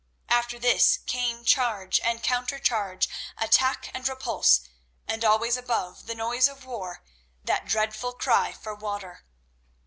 After this came charge and counter charge, attack and repulse, and always above the noise of war that dreadful cry for water.